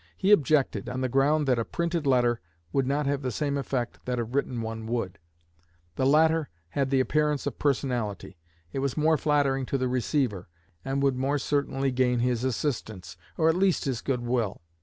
He objected, on the ground that a printed letter would not have the same effect that a written one would; the latter had the appearance of personality, it was more flattering to the receiver, and would more certainly gain his assistance, or at least his good will.